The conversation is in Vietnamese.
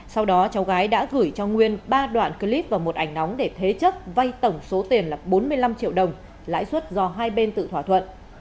sau đó cháu gái đã gửi cho nguyên ba đoạn clip và một ảnh nóng để thế chấp vay tổng số tiền là bốn mươi năm triệu đồng lãi suất do hai bên tự thỏa thuận